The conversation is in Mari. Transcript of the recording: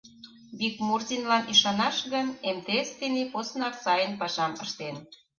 Бикмурзинлан ӱшанаш гын, МТС тений поснак сайын пашам ыштен.